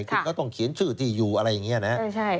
ปริศนียกต้องเขียนชื่อที่อยู่หรืออะไรอย่างนี้